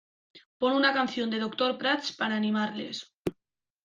Pon una canción de Doctor Prats para animarles.